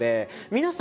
皆さん